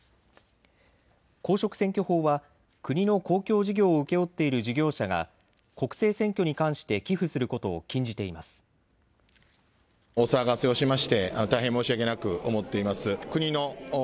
公職選挙法は国の公共事業を請け負っている事業者が国政選挙に関して寄付することを禁じています。